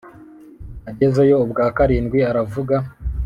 Agezeyo ubwa karindwi aravuga